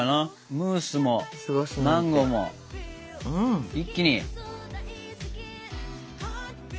ムースもマンゴーも一気に。